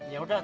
ya udah pak